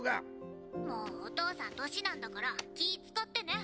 もうお父さん年なんだから気ぃ遣ってね。